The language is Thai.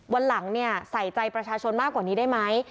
วันหลังใส่ใจประชาชนมากกว่านี้ได้ไหม